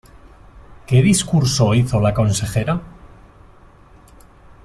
¿Qué discurso hizo la consejera?